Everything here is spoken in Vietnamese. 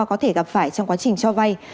có thể gặp phải trong quá trình cho vay